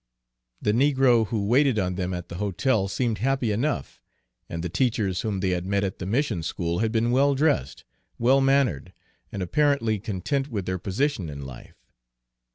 The negroes who waited on them at the hotel seemed happy enough, and the teachers whom they had met at the mission school had been well dressed, well mannered, and apparently content with their position in life.